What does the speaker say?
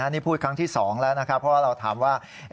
นี่พูดครั้งที่๒แล้วนะครับเพราะว่าเราถามว่า